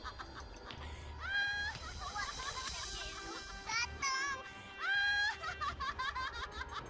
aku nggak mau pergi sama kamu